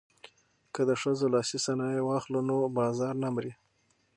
که د ښځو لاسي صنایع واخلو نو بازار نه مري.